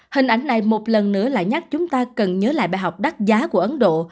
hình ảnh này một lần nữa lại nhắc chúng ta cần nhớ lại bài học đắt giá của ấn độ